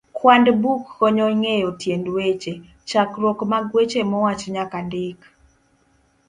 kwand buk konyo Ng'eyo Tiend Weche, chakruok mag weche mowach nyaka ndik.